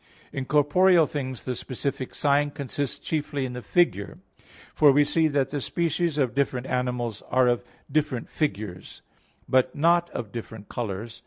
In corporeal things the specific sign consists chiefly in the figure. For we see that the species of different animals are of different figures; but not of different colors.